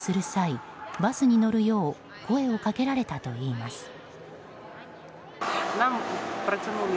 避難する際、バスに乗るよう声をかけられたといいます。